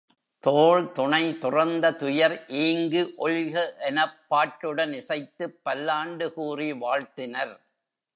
தோள் துணை துறந்த துயர் ஈங்கு ஒழிக எனப் பாட்டுடன் இசைத்துப் பல்லாண்டு கூறி வாழ்த்தினர்.